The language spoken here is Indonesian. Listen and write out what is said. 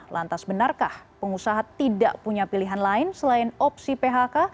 lantas benarkah pengusaha tidak punya pilihan lain selain opsi phk